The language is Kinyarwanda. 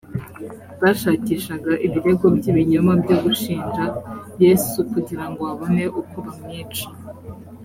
bashakishaga ibirego by ibinyoma byo gushinja yesu kugira ngo babone uko bamwica